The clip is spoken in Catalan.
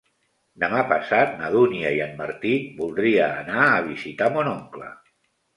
Demà passat na Dúnia i en Martí voldria anar a visitar mon oncle.